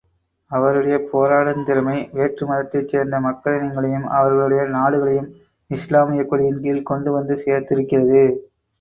அவருடைய போராடுந் திறமை வேற்று மதத்தைச் சேர்ந்த மக்களினங்களையும் அவர்களுடைய நாடுகளையும் இஸ்லாமியக்கொடியின் கீழ்க் கொண்டு வந்து சேர்த்திருக்கிறது.